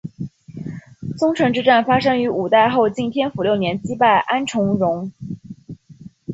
宗城之战发生于五代后晋天福六年击败安重荣。